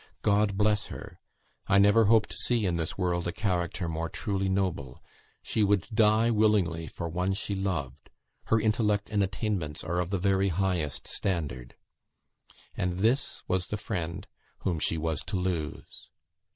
God bless her! I never hope to see in this world a character more truly noble. She would die willingly for one she loved. Her intellect and attainments are of the very highest standard." And this was the friend whom she was to lose!